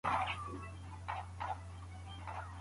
که محلي لوبې وهڅول سي، نو کلتور نه هیريږي.